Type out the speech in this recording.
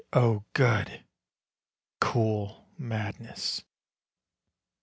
O good! Cool madness.